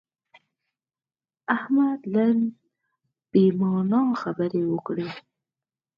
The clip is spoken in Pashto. احمد نن بې معنا خبرې وکړې.